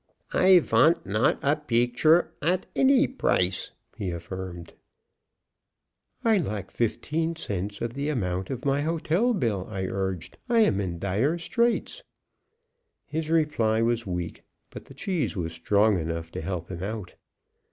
"I vant not a peakture at any price," he affirmed. "I lack fifteen cents of the amount of my hotel bill," I urged; "I am in dire straits." His reply was weak, but the cheese was strong enough to help him out.